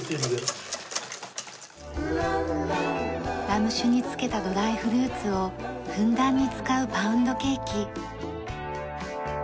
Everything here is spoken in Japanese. ラム酒に漬けたドライフルーツをふんだんに使うパウンドケーキ。